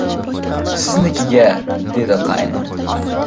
— Siznikiga, — dedi qaynim.